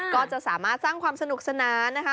ก็จะสามารถสร้างความสนุกสนานนะคะ